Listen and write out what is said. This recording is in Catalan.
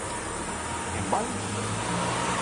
En vols?